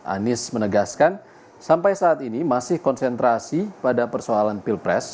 anies menegaskan sampai saat ini masih konsentrasi pada persoalan pilpres